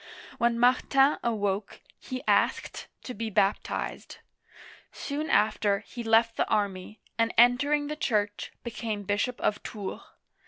When Martin awoke, he asked to be baptized ; soon after, he left the army, and entering the Church, became bishop of Tours (toor).